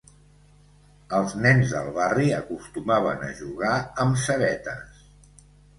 Els nens del barri acostumaven a jugar amb cebetes.